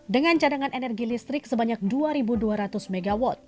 dengan cadangan energi listrik sebanyak dua dua ratus mw